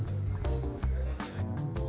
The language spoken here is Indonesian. sudah digital scale udah balik dahikan